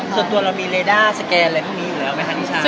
ส่วนตัวเรามีเรด้าสแกนอะไรพวกนี้อยู่แล้วไหมคะนิชา